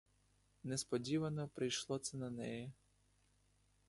Несподівано прийшло це на неї.